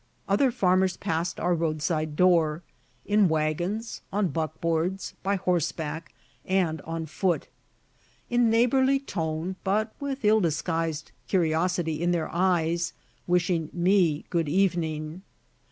Other farmers passed our roadside door, in wagons, on buckboards, by horseback, and on foot; in neighborly tone, but with ill disguised curiosity in their eyes, wishing me good evening.